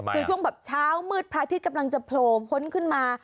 คือช่วงแบบเช้ามืดพระอาทิตย์กำลังจะโผล่พ้นขึ้นมา